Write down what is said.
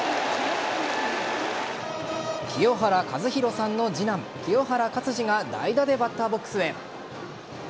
清原和博さんの次男清原勝児が代打でバッターボックスへ。